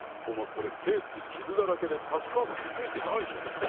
これケース傷だらけで歌詞カードも付いてないじゃないか。